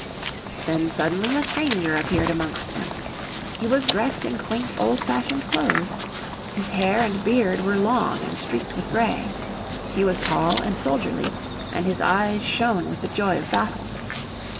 Then suddenly a stranger appeared amongst them. He was dressed in quaint old fashioned clothes. His hair and beard were long and streaked with grey. He was tall and soldierly, and his eyes shone with the joy of battle.